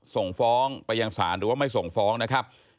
ส่งฟ้องไปยังศาลหรือว่าไม่ส่งฟ้องนะครับ